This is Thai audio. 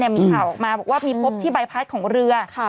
มีข่าวออกมาบอกว่ามีพบที่ใบพัดของเรือ